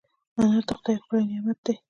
انار د خدای یو ښکلی نعمت دی.